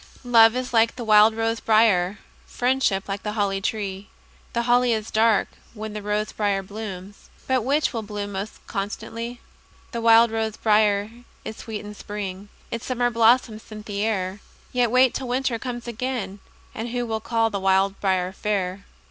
Love is like the wild rose briar; Friendship like the holly tree. The holly is dark when the rose briar blooms, But which will bloom most constantly? The wild rose briar is sweet in spring, Its summer blossoms scent the air; Yet wait till winter comes again, And who will call the wild briar fair?